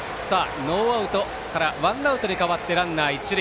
ノーアウトからワンアウトに変わってランナー、一塁。